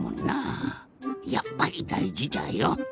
やっぱりだいじじゃよ。